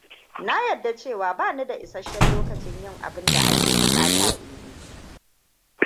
Na yadda cewa bani da isashen lokacin yin abin da ake buƙata in yi.